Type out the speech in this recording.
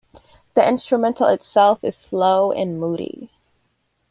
The instrumental itself is slow and moody.